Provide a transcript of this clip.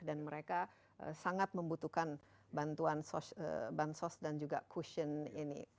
dan mereka sangat membutuhkan bantuan bansos dan juga cushion ini